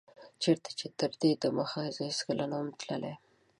چيرته چي تر دي دمخه زه هيڅکله نه وم تللی